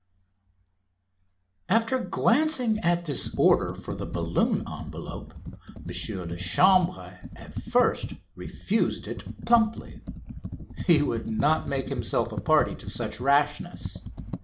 After glancing at this order for the balloon envelope M. Lachambre at first refused it plumply. He would not make himself a party to such rashness.